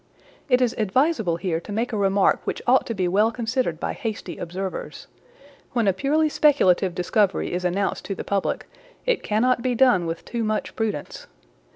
It is advisable here to make a remark which ought to be well considered by hasty observers. When a purely speculative discovery is announced to the public, it cannot be done with too much prudence.